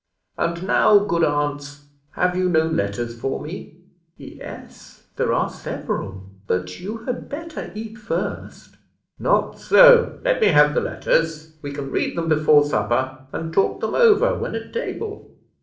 And now, good aunts, have you no letters for me?" "Yes, there are several; but you had better eat first." "Not so; let me have the letters; we can read them before supper, and talk them over when at table."